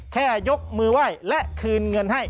แค่ยกมือไหว้และคืนเงินให้